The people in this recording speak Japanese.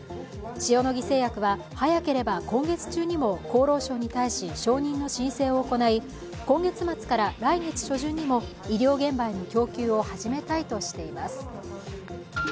塩野義製薬は早ければ今月中にも厚労省に対し承認の申請を行い今月末から来月初旬にも医療現場への供給を始めたいとしています。